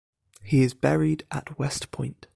He is buried at West Point.